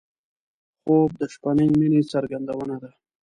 خوب د شپهنۍ مینې څرګندونه ده